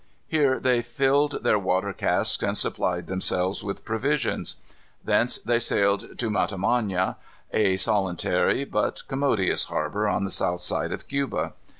Here they filled their water casks and supplied themselves with provisions. Thence they sailed to Matamana, a solitary but commodious harbor on the south side of Cuba.